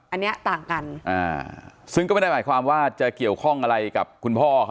อันนี้ต่างกันซึ่งก็ไม่ได้หมายความว่าจะเกี่ยวข้องอะไรกับคุณพ่อเขา